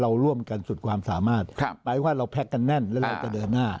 เราร่วมกันสุดความสามารถแปลว่าเราแพ็คกันแน่นแล้วเราจะเดินหน้า